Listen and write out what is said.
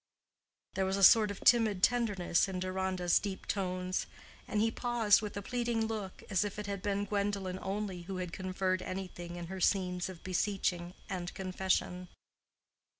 There was a sort of timid tenderness in Deronda's deep tones, and he paused with a pleading look, as if it had been Gwendolen only who had conferred anything in her scenes of beseeching and confession.